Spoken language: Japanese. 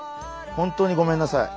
本当にごめんなさい。